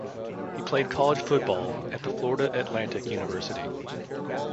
He played college football at the Florida Atlantic University.